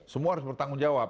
semua harus bertanggung jawab